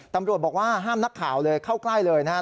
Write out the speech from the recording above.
ตำรวจบอกว่าห้ามนักข่าวเลยเข้าใกล้เลยนะครับ